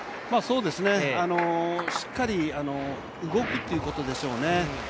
しっかり動くっていうことでしょうね。